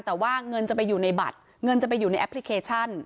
แต่ว่าเงินจะไปอยู่ในบัตรเงินจะไปอยู่ในแอปพลิเคชัน